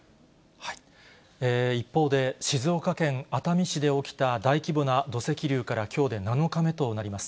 一方で、静岡県熱海市で起きた大規模な土石流から、きょうで７日目となります。